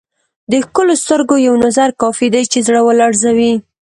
د ښکلو سترګو یو نظر کافي دی چې زړه ولړزوي.